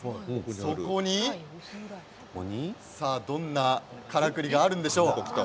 そこに、どんなからくりがあるんでしょうか。